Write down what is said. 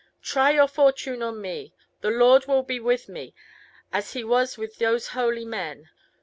Try your fortune on me. The Lord will be with me, as He was with those holy men.